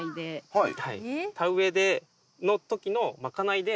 はい。